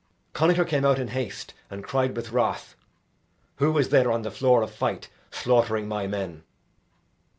Connachar came out in haste and cried with wrath; "Who is there on the floor of fight, slaughtering my men?"